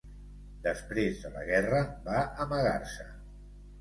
Després de la guerra va amagar-se.